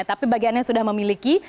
tapi bagi anda yang sudah memiliki